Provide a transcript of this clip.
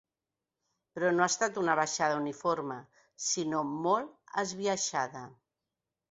Però no ha estat una baixada uniforme, sinó molt esbiaixada.